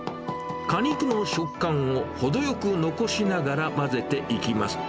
果肉の食感を程よく残しながら混ぜていきます。